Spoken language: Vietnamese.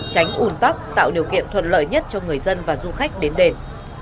tránh ủn tóc tạo điều kiện thuận lợi nhất cho người dân và du khách đến đền